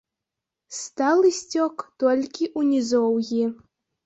Сталы сцёк толькі ў нізоўі.